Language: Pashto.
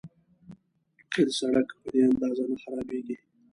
قیر سړک په دې اندازه نه خرابېږي.